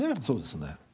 そうですね。